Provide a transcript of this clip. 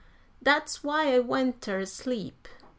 dat's why I went ter sleep.